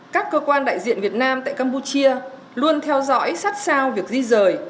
các cơ quan đại diện việt nam tại campuchia luôn theo dõi sát sao việc di rời